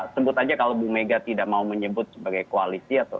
sebut aja kalau bu mega tidak mau menyebut sebagai koalisi